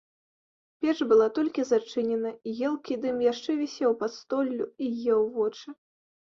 Печ была толькі зачынена, і елкі дым яшчэ вісеў пад столлю і еў вочы.